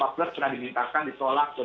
pernah dimintakan disolak dua ribu lima belas